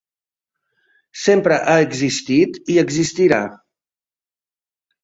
Sempre ha existit i existirà.